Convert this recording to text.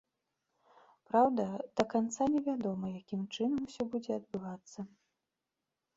Праўда, да канца не вядома, якім чынам усё будзе адбывацца.